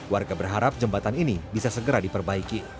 warga berharap jembatan ini bisa segera diperbaiki